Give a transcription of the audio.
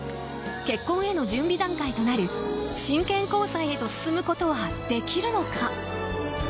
結婚への準備段階となる真剣交際へと進むことはできるのか。